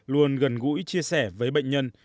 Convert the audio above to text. luôn gần gũi chia sẻ với bệnh nhân